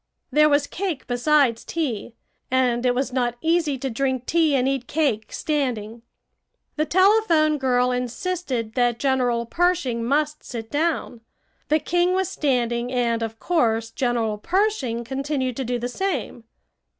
There was cake besides tea, and it was not easy to drink tea and eat cake standing. The telephone girl insisted that General Pershing must sit down. The king was standing, and of course, General Pershing continued to do the same.